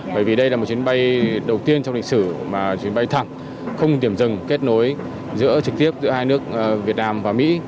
bởi vì đây là một chuyến bay đầu tiên trong lịch sử mà chuyến bay thẳng không tiềm dừng kết nối giữa trực tiếp giữa hai nước việt nam và mỹ